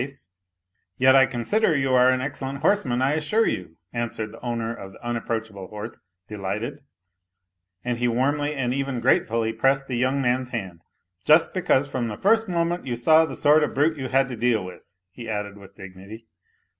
A LITTLE HERO 243 ' Yet I consider you are au excellent horseman, I assure you," answered the owner of the unapproachable horse, delighted, and he warmly and even gratefully pressed the young man's hand, " just because from the first moment you saw the sort of brute you had to deal with," he added with dignity.